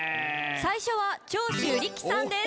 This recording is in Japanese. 最初は長州力さんです。